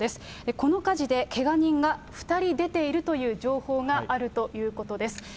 この火事でけが人が２人出ているという情報があるということです。